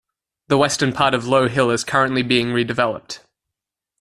The western part of Low Hill is currently being redeveloped.